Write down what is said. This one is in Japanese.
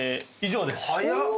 早っ！